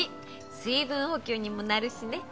水分補給にもなるしね。